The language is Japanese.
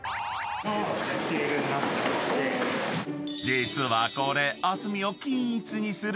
［実はこれ］